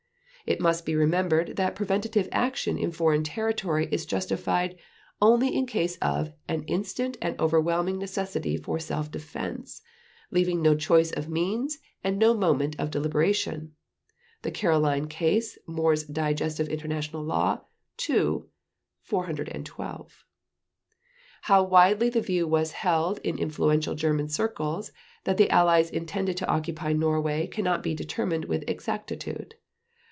It must be remembered that preventive action in foreign territory is justified only in case of "an instant and overwhelming necessity for self defense, leaving no choice of means, and no moment of deliberation" (The Caroline Case, Moore's Digest of International Law, II, 412). How widely the view was held in influential German circles that the Allies intended to occupy Norway cannot be determined with exactitude.